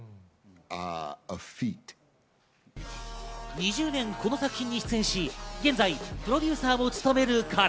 ２０年、この作品に出演し、現在プロデューサーも務める彼。